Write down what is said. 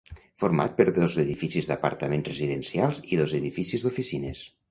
Format per dos edificis d'apartaments residencials i dos edificis d'oficines.